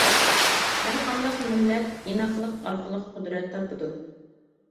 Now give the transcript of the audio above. ھەر قانداق مىللەت ئىناقلىق ئارقىلىق قۇدرەت تاپىدۇ.